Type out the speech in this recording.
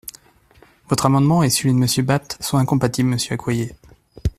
Votre amendement et celui de Monsieur Bapt sont incompatibles, monsieur Accoyer...